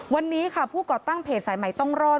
วันนี้ค่ะผู้ก่อตั้งเพจสายใหม่ต้องรอด